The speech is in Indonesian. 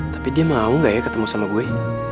tapi dia mau gak ya ketemu sama gue